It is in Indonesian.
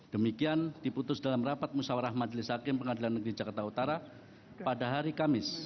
demikian diputus dalam rapat musawarah majelis hakim pengadilan negeri jakarta utara pada hari kamis